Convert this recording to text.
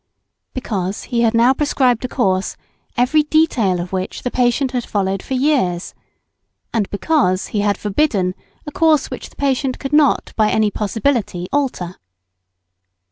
Because he had now prescribed a course, every detail of which the patient had followed for years. And because he had forbidden a course which the patient could not by any possibility alter.